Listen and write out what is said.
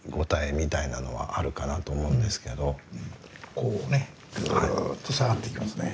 こうねぐっと下がっていきますね。